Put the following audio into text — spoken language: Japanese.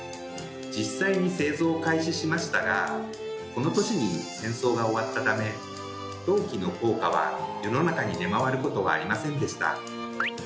実際に製造を開始しましたがこの年に戦争が終わったため陶器の硬貨は世の中に出回ることはありませんでした。